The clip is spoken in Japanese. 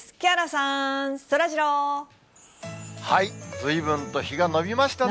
ずいぶんと日がのびましたね。